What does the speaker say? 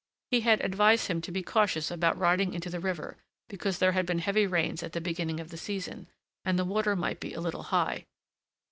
He had advised him to be cautious about riding into the river, because there had been heavy rains at the beginning of the season, and the water might be a little high.